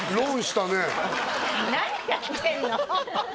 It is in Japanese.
何やってんの？